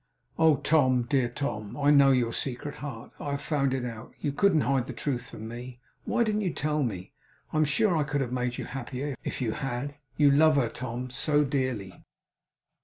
'Oh Tom, dear Tom, I know your secret heart. I have found it out; you couldn't hide the truth from me. Why didn't you tell me? I am sure I could have made you happier, if you had! You love her, Tom, so dearly!